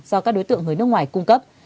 do các đối tượng người nước ngoài cung cấp